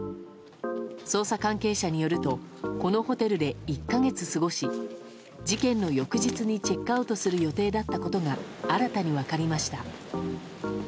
捜査関係者によるとこのホテルで１か月過ごし事件の翌日にチェックアウトする予定だったことが新たに分かりました。